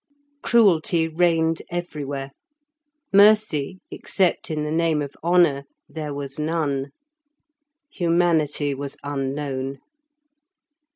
Cruelty reigned everywhere; mercy, except in the name of honour, there was none; humanity was unknown.